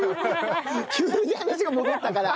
急に話が戻ったから。